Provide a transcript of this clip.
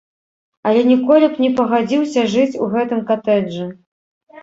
Але ніколі б не пагадзіўся жыць у гэтым катэджы.